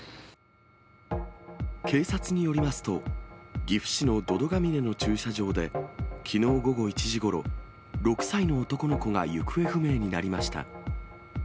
警察によりますと、岐阜市の百々ヶ峰の駐車場で、きのう午後１時ごろ、６歳の男の子が行方不明になりました。